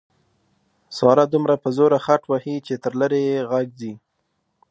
ساره دومره په زوره خټ وهي چې تر لرې یې غږ ځي.